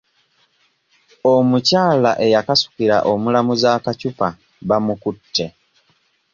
Omukyala eyakasukira omulamuzi akacupa bamukutte.